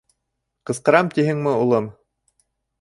— Ҡысҡырам, тиһеңме, улым?